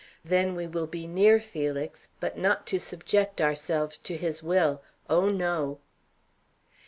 Then we will be near Felix, but not to subject ourselves to his will. Oh, no!